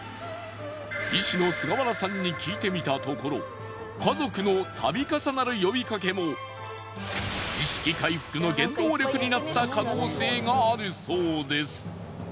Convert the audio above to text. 医師の菅原さんに聞いてみたところ家族の度重なる呼びかけも意識回復の原動力になった可能性があるそうです。